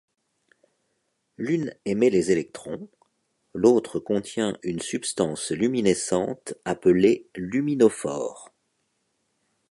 L’une émet les électrons, l’autre contient une substance luminescente appelée luminophore.